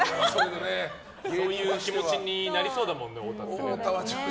そういう気持ちになりそうだもんね太田って。